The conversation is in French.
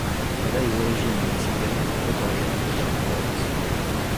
Elle a des origines mexicaines, équatoriennes et irlandaises.